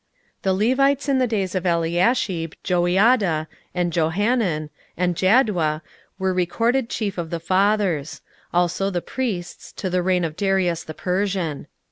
16:012:022 The Levites in the days of Eliashib, Joiada, and Johanan, and Jaddua, were recorded chief of the fathers: also the priests, to the reign of Darius the Persian.